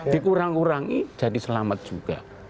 dikurang kurangi jadi selamat juga